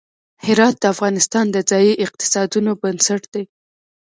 هرات د افغانستان د ځایي اقتصادونو بنسټ دی.